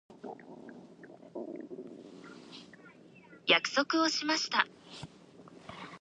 約束をしました。